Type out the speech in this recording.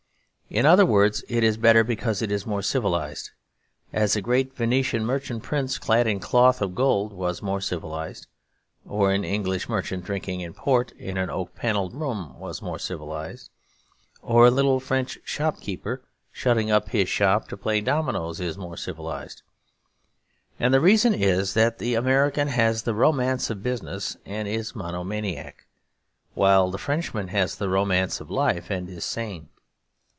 In other words, it is better because it is more civilised; as a great Venetian merchant prince clad in cloth of gold was more civilised; or an old English merchant drinking port in an oak panelled room was more civilised; or a little French shopkeeper shutting up his shop to play dominoes is more civilised. And the reason is that the American has the romance of business and is monomaniac, while the Frenchman has the romance of life and is sane.